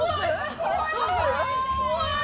怖い！